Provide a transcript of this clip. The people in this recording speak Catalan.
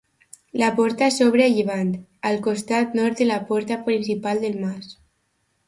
La porta s'obre a llevant, al costat nord de la porta principal del mas.